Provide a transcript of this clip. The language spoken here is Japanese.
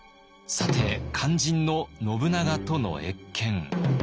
さて肝心の信長との謁見。